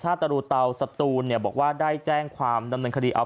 ตรูเตาสตูนเนี่ยบอกว่าได้แจ้งความดำเนินคดีเอา